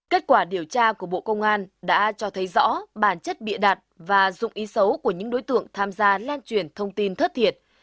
kết quả điều tra của bộ công an đã cho thấy rõ bản chất bịa đặt và dụng ý xấu của những đối tượng tham gia lan truyền thông tin thất thiệt